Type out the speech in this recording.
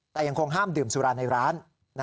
แต่ยังคงห้ามดื่มสุราในร้าน